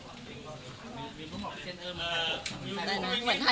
พอแท้เวลามันส่วนส่วนค่ะ